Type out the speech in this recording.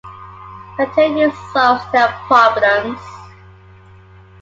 Containing it solves their problems.